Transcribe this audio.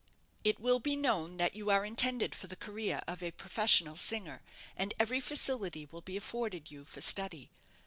It will be known that you are intended for the career of a professional singer, and every facility will be afforded you for study.